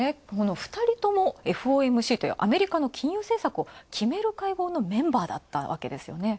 ２人ともＦＯＭＣというアメリカの金融政策を決める会合のメンバーだったわけですね。